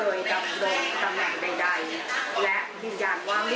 พฤษฐีกายเวียงให้ถ่ายมา